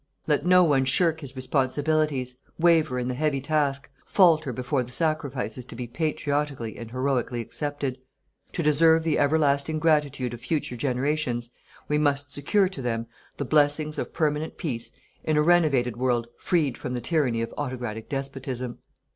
Let no one shirk his responsibilities, waver in the heavy task, falter before the sacrifices to be patriotically and heroically accepted. To deserve the everlasting gratitude of future generations, we must secure to them the blessings of permanent peace in a renovated world freed from the tyranny of autocratic despotism.